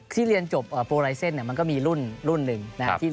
เรียนจบโปรไลเซ็นต์มันก็มีรุ่นหนึ่งนะครับ